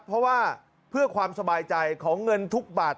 เพราะว่าเพื่อความสบายใจของเงินทุกบาท